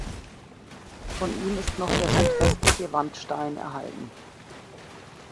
Von ihm ist noch der südwestliche Wandstein erhalten.